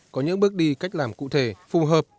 có những bước đi cách làm cụ thể phù hợp